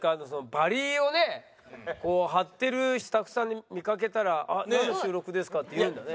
バリをね貼ってるスタッフさん見かけたらなんの収録ですか？って言うんだね。